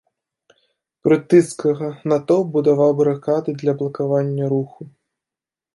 Прытыцкага, натоўп будаваў барыкады для блакавання руху.